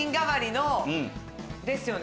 ですよね。